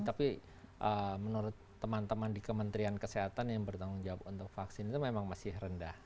tapi menurut teman teman di kementerian kesehatan yang bertanggung jawab untuk vaksin itu memang masih rendah